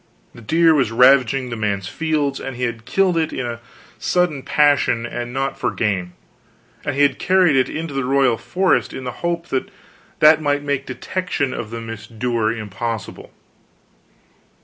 The deer was ravaging the man's fields, and he had killed it in sudden passion, and not for gain; and he had carried it into the royal forest in the hope that that might make detection of the misdoer impossible.